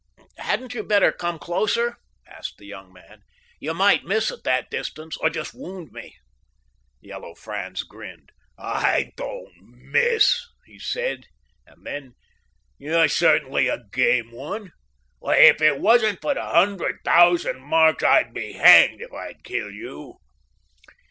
"Hadn't you better come closer?" asked the young man. "You might miss at that distance, or just wound me." Yellow Franz grinned. "I don't miss," he said, and then: "You're certainly a game one. If it wasn't for the hundred thousand marks, I'd be hanged if I'd kill you."